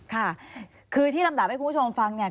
ค่ะคือที่ลำดับให้คุณผู้ชมฟังเนี่ย